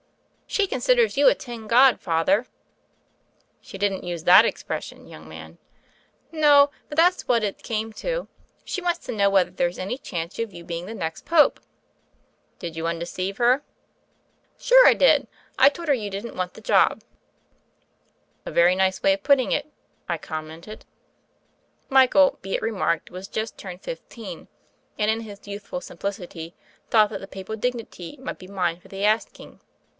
"She considers you a tin god. Father." "She didn't use that expression, young man." "No; but that's what it came to. She wants to know whether there's any chance of your be ing the next Pope." "Did you undeceive her?" 24 THE FAIRY OF THE SNOWS 15 "Sure, I did. I told her you didn't want the job." "A very nice way of putting it," I com mented. Michael, be it remarked, was just turned fif teen, and, in his youthful simplicity, thought that the papal dignity might be mine for the asking.